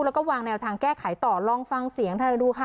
แล้วก็วางแนวทางแก้ไขต่อลองฟังเสียงเธอดูค่ะ